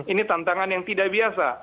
ini tantangan yang tidak biasa